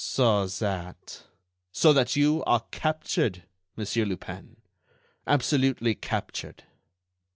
"So that——" "So that you are captured, Monsieur Lupin—absolutely captured."